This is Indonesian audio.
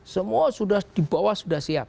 semua sudah di bawah sudah siap